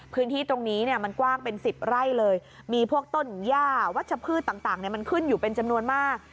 พื้นที่ตรงนี้เนี่ยมันกว้างเป็น๑๐ไร่เลยมีพวกต้นย่าวัชพืชต่างมันขึ้นอยู่เป็นจำนวนมาก